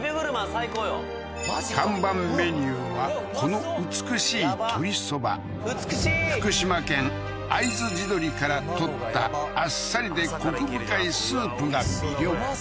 最高よ看板メニューはこの美しい福島県会津地鶏からとったあっさりでコク深いスープが魅力